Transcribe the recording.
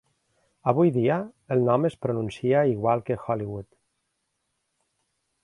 Avui dia, el nom es pronuncia igual que "Hollywood".